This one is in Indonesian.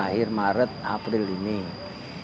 beras ini kita sudah akan memasuki panen padanya